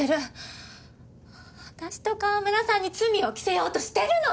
私と川村さんに罪を着せようとしてるのよ！